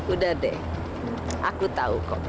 udah deh aku tahu kok